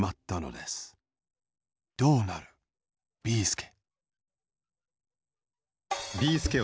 どうなるビーすけ